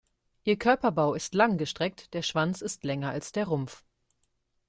Ihr Körperbau ist langgestreckt, der Schwanz ist länger als der Rumpf.